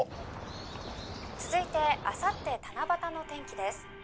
「続いてあさって七夕の天気です」